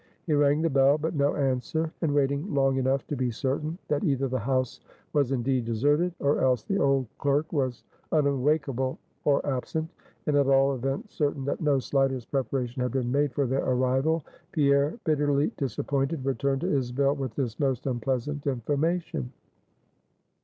He rang the bell, but no answer; and waiting long enough to be certain, that either the house was indeed deserted, or else the old clerk was unawakeable or absent; and at all events, certain that no slightest preparation had been made for their arrival; Pierre, bitterly disappointed, returned to Isabel with this most unpleasant information.